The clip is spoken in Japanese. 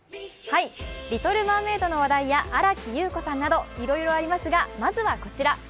「リトル・マーメイド」の話題や新木優子さんなどいろいろありますが、まずはこちら。